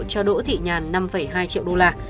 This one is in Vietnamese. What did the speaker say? cho đỗ thị nhàn năm hai triệu đô la